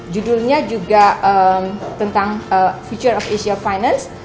judulnya juga tentang future of asia finance